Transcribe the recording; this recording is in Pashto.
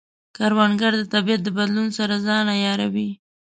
کروندګر د طبیعت د بدلون سره ځان عیاروي